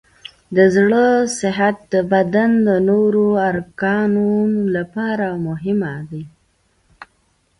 د زړه صحت د بدن د نورو ارګانونو لپاره مهم دی.